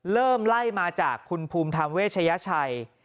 เริ่มไล่มาจากคุณภูมิธรรมเวชยชัย